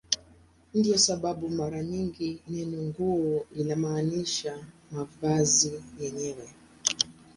Ndiyo sababu mara nyingi neno "nguo" linamaanisha mavazi yenyewe.